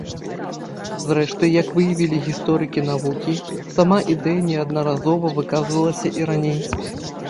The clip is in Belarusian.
Зрэшты, як выявілі гісторыкі навукі, сама ідэя неаднаразова выказвалася і раней.